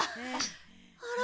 あら？